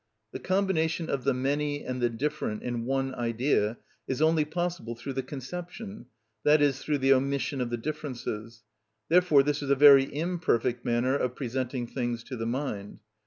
The combination of the many and the different in one idea is only possible through the conception, that is, through the omission of the differences; therefore this is a very imperfect manner of presenting things to the mind.